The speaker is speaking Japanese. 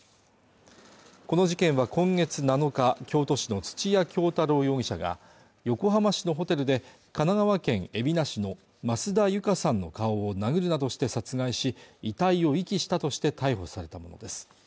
この事件は今月７日京都市の土屋京多郎容疑者が横浜市のホテルで神奈川県海老名市の増田有華さんの顔を殴るなどして殺害し遺体を遺棄したとして逮捕されたものです